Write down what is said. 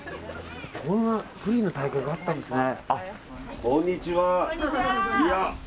こんなプリンの大会があったんですね。